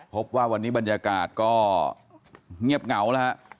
พบว่าวันนี้บรรยากาศก็เงียบเหงาแล้วฮะ